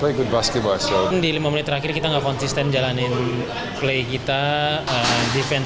faktor kedua adalah kita kehilangan energi di kelas kemarin